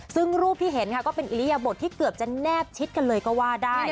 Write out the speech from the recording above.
ซึ่งรูปที่เห็นค่ะก็เป็นอิริยบทที่เกือบจะแนบชิดกันเลยก็ว่าได้